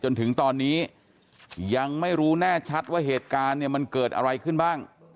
จนถึงตอนนี้ยังไม่รู้แน่ชัดว่าเหตุการณ์เนี่ยมันเกิดอะไรขึ้นบ้าง